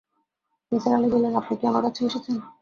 নিসার আলি বললেন, আপনি কি আমার কাছে এসেছেন?